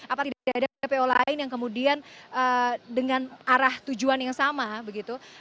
apa tidak ada tpo lain yang kemudian dengan arah tujuan yang sama begitu